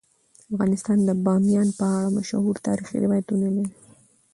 افغانستان د بامیان په اړه مشهور تاریخی روایتونه لري.